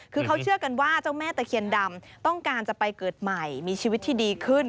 คือเขาเชื่อกันว่าเจ้าแม่ตะเคียนดำต้องการจะไปเกิดใหม่มีชีวิตที่ดีขึ้น